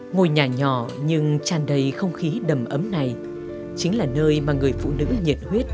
ngôi nhà nhỏ nhưng tràn đầy không khí đầm ấm này chính là nơi mà người phụ nữ nhiệt huyết